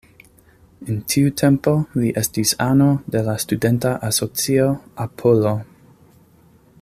En tiu tempo li estis ano de la studenta asocio "Apollo".